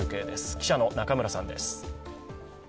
記者の中村さんです。